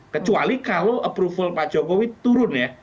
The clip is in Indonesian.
kecuali kalau approval pak jokowi turun ya